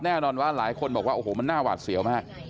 แน่นอนว่าหลายคนบอกว่าโอ้โหมันน่าหวาดเสียวมาก